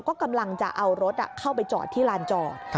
ก็กำลังจะเอารถเข้าไปจอดที่ลานจอด